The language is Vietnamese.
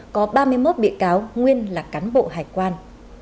có ba mươi một bị cáo nguyên là cán bộ hải quan